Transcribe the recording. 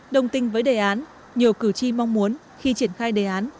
đồng tình với đề án nhiều cử tri mong muốn khi triển khai đề án